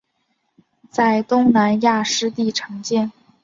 在东南亚湿地常见。